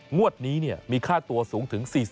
งวดนี้เนี่ยมีค่าตัวสูงถึง